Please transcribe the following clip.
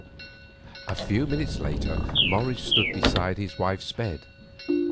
A few minutes later Morris stood beside his wife's bed.